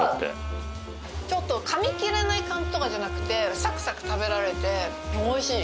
ちょっと噛み切れない感じとかじゃなくてサクサク食べられておいしい